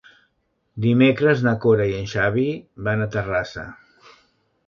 Dimecres na Cora i en Xavi van a Terrassa.